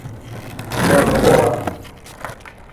Borofowa.